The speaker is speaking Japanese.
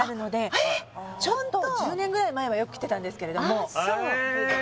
ホントちょっと１０年ぐらい前はよく来てたんですけれどもああ